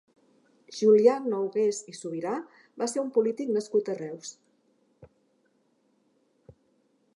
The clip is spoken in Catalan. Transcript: Julià Nougués i Subirà va ser un polític nascut a Reus.